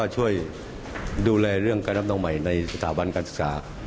ช่วยดูแลเรื่องการรับนองใหม่ในสถาบันการศึกษา